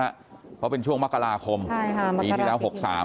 เพราะเป็นช่วงมกราคมปีที่แล้ว๖๓